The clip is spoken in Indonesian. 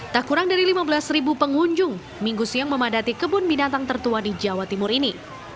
tak kurang dari lima belas pengunjung minggu siang memadati kebun binatang tertua di jawa timur ini